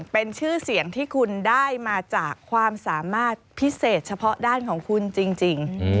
เป็นชื่อเสียงที่คุณได้มาจากความสามารถพิเศษเฉพาะด้านของคุณจริง